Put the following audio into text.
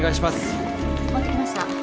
持ってきました。